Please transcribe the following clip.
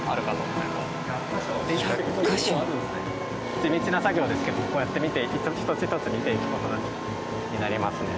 地道な作業ですけどこうやって見て一つ一つ見ていく事になりますねこっちから。